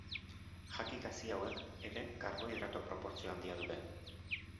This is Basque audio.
Jaki gazi hauek ere karbohidrato proportzio handia dute.